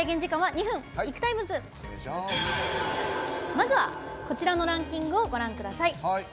まずは、こちらのランキングをご覧ください。